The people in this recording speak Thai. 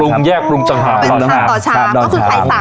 อ๋อปรุงแยกปรุงต่างหากเป็นชามต่อชามเพราะสุดใสต่าง